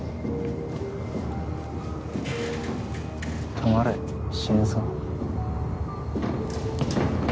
止まれ死ぬぞ。